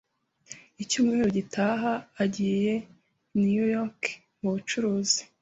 Icyumweru gitaha, agiye i New York mu bucuruzi.